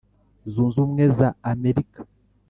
Zunze Ubumwe za Amerika